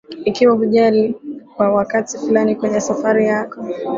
Ikiwa hujali kwa wakati fulani kwenye safari yako